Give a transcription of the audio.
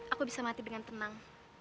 aku bisa mati dengan tenang